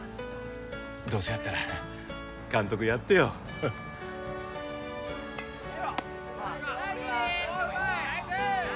どうせやったら監督やってよナイス！